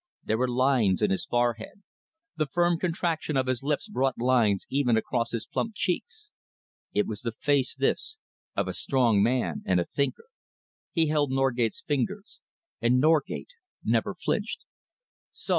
There were lines in his forehead. The firm contraction of his lips brought lines even across his plump cheeks. It was the face, this, of a strong man and a thinker. He held Norgate's fingers, and Norgate never flinched. "So!"